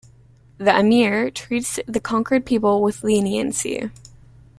The "amir" treats the conquered people with leniency.